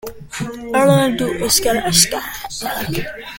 The funny thing about the horizon is that you can't reach it.